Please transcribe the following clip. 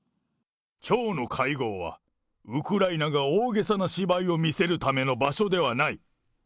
きょうの会合は、ウクライナが大げさな芝居を見せるための場所ではない。